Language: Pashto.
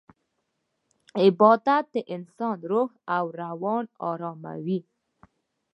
عبادت د انسان روح او روان اراموي.